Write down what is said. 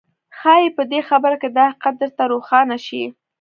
ښايي په دې خبره کې دا حقيقت درته روښانه شي.